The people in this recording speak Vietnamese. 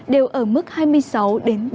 đều ở mức hai mươi sáu ba mươi hai độ